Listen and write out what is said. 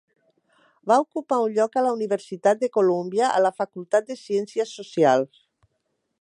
Va ocupar un lloc a la Universitat de Colúmbia, a la Facultat de Ciències Socials.